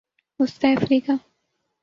وسطی افریقہ